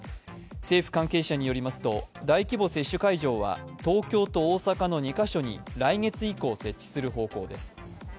政府関係者によりますと、大規模接種会場は東京と大阪の２カ所に来月以降、設置する方向です。